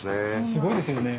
すごいですよね。